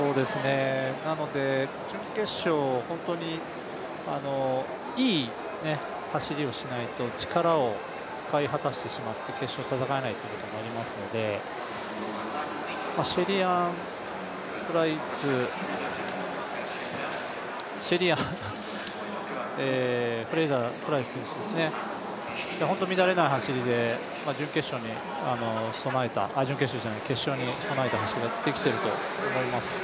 なので準決勝、いい走りをしないと力を使い果たしてしまって決勝戦えないということもありますので、シェリーアン・フレイザープライス選手、本当に乱れない走りで決勝に備えた走りができてると思います。